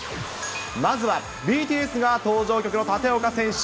まずはＢＴＳが登場曲の立岡選手。